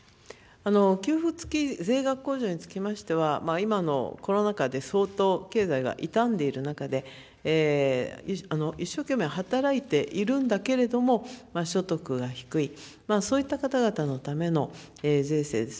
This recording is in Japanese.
給付付き税額控除につきましては、今のコロナ禍で相当、経済が傷んでいる中で、一生懸命働いているんだけれども、所得が低い、そういった方々のための税制です。